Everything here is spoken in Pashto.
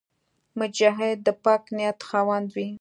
مجاهد د پاک نیت خاوند وي.